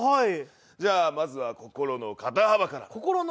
じゃあ、まずは心の肩幅から。